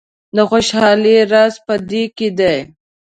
د خوشحالۍ راز په دې کې دی.